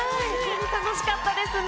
楽しかったですね。